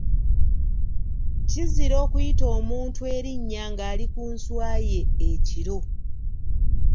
Kizira okuyita omuntu erinnya ng’ali ku nswa ye ekiro.